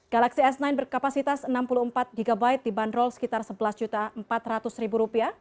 galaxy s sembilan berkapasitas enam puluh empat gb dibanderol sekitar rp sebelas empat ratus